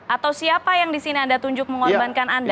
atau siapa yang disini anda tunjuk mengorbankan anda